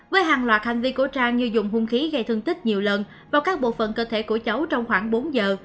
với hàng loạt hành vi của trang như dùng hung khí gây thương tích nhiều lần vào các bộ phận cơ thể của cháu trong khoảng bốn giờ